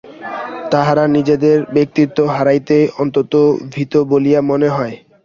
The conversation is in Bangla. তাহারা নিজেদের ব্যক্তিত্ব হারাইতে অত্যন্ত ভীত বলিয়া মনে হয়।